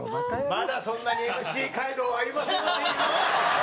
まだそんなにＭＣ街道を歩ませませんよ！